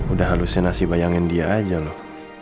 udah halusnya nasi bayangin dia aja loh